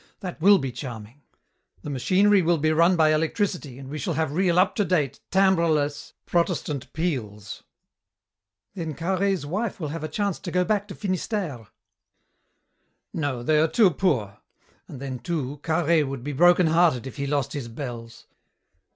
That will be charming. The machinery will be run by electricity and we shall have real up to date, timbreless, Protestant peals." "Then Carhaix's wife will have a chance to go back to Finistère." "No, they are too poor, and then too Carhaix would be broken hearted if he lost his bells.